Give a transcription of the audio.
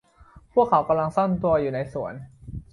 พวกเขากำลังซ่อนตัวอยู่ในสวน